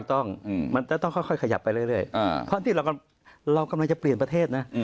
ต้องมันจะต้องค่อยขยับไปเรื่อยเพราะที่เรากำลังจะเปลี่ยนประเทศนะ